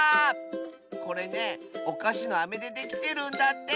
これねおかしのアメでできてるんだって！